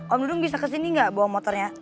om dudung bisa kesini nggak bawa motornya